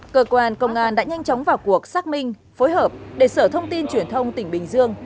cơ quan công an đã nhanh chóng vào cuộc xác minh phối hợp để sở thông tin truyền thông tỉnh bình dương